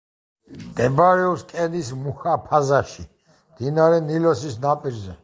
მდებარეობს კენის მუჰაფაზაში, მდინარე ნილოსის ნაპირზე.